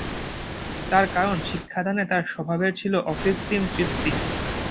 তার কারণ শিক্ষাদানে তাঁর স্বভাবের ছিল অকৃত্রিম তৃপ্তি।